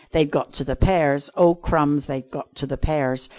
They'd got to the pears! Oh, crumbs! They'd got to the pears!